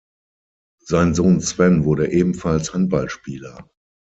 Sein Sohn Sven wurde ebenfalls Handballspieler.